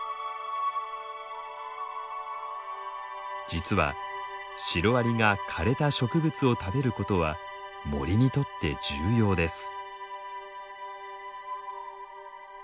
実はシロアリが枯れた植物を食べることは森にとって重要です。